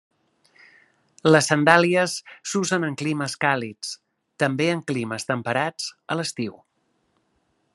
Les sandàlies s'usen en climes càlids; també, en climes temperats, a l'estiu.